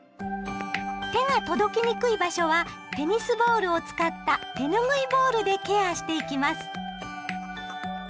手が届きにくい場所はテニスボールを使った手ぬぐいボールでケアしていきます。